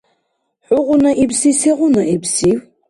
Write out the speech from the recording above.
«ХӀугъуна» ибси сегъуна ибсив?